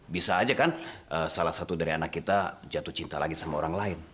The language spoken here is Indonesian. bisa aja kan salah satu dari anak kita jatuh cinta lagi sama orang lain